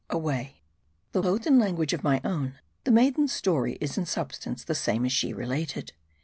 AWAY ! THOUGH clothed in language of my own, the maiden's story is in substance the same as she related.